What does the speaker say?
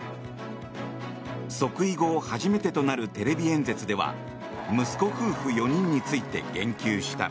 即位後初めてとなるテレビ演説では息子夫婦４人について言及した。